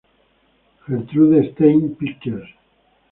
Gertrude Stein Pictures...